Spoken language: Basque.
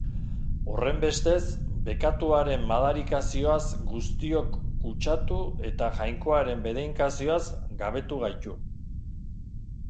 Horrenbestez, bekatuaren madarikazioaz guztiok kutsatu eta Jainkoaren bedeinkazioaz gabetu gaitu.